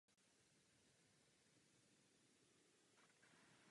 Byl také zakládajícím členem literární společnosti Fellowship of Southern Writers.